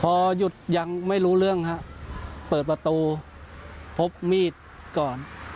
พอหยุดยังไม่รู้เรื่องฮะเปิดประตูพบมีดก่อน